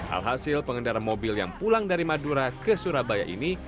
alhasil pengendara mobil yang pulang dari madura ke surabaya ini